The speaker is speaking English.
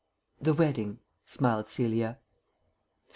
"The wedding," smiled Celia.